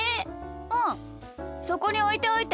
うんそこにおいておいて。